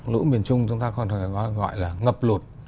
lũ miền trung chúng ta còn gọi là ngập lụt